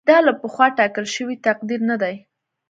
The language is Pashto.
دا له پخوا ټاکل شوی تقدیر نه دی.